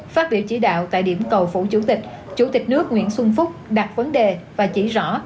phát biểu chỉ đạo tại điểm cầu phủ chủ tịch chủ tịch nước nguyễn xuân phúc đặt vấn đề và chỉ rõ